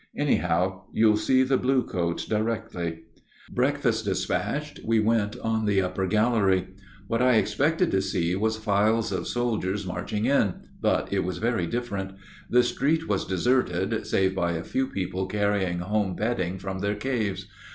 Anyhow, you'll see the blue coats directly." Breakfast despatched, we went on the upper gallery. What I expected to see was files of soldiers marching in, but it was very different. The street was deserted, save by a few people carrying home bedding from their caves.